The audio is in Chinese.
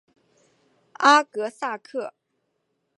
阿格萨克。